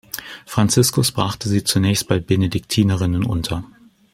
Franziskus brachte sie zunächst bei Benediktinerinnen unter.